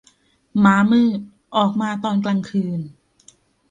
ม้ามืด ออกมาตอนกลางคืน